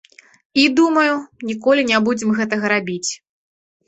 І, думаю, ніколі не будзем гэтага рабіць.